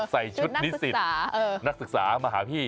ใส่ชุดนิสิตนักศึกษามาหาพี่